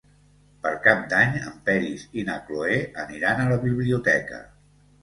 Per Cap d'Any en Peris i na Cloè aniran a la biblioteca.